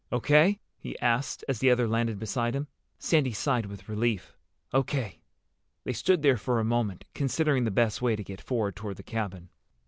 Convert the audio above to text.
"O.K.?" he asked, as the other landed beside him. Sandy sighed with relief. "O.K." They stood there for a moment, considering the best way to get forward toward the cabin.